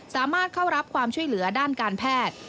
สามารถเข้ารับความช่วยเหลือด้านการแพทย์